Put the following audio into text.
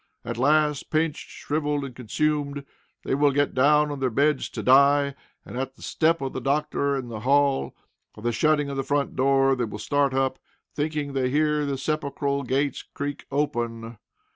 At last, pinched, shrivelled, and consumed, they will get down on their beds to die, and at the step of the doctor in the hall, or the shutting of the front door, they will start up, thinking they hear the sepulchral gates creak open.